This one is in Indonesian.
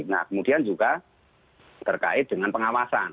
nah kemudian juga terkait dengan pengawasan